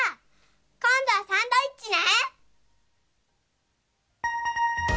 こんどはサンドイッチね！